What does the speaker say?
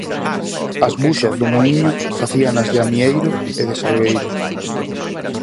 As buxas do muíño facíanas de amieiro e de salgueiro.